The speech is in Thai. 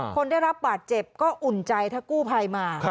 คนได้รับบาดเจ็บก็อุ่นใจถ้ากู้ภัยมา